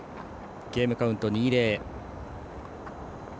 ゲームカウント、２−０。